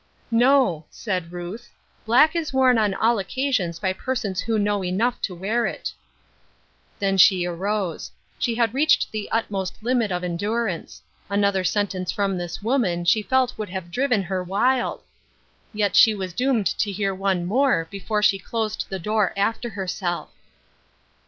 "" No," said Ruth, " black is worn on all occa sions by peraons who know .enough to wear it." 70 Ruth Ershine's "^rosses. Then she arose. She had ifeached the utmost limit of endurance. Another sentence from this woman she felt would have driven her wild. Yet she was doomed to hear one more before she closed the door after herself.